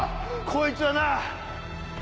こいつはなぁ！